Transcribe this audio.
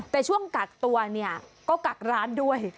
แต่ช่วงกักตัวเนี่ยก็กักร้านด้วย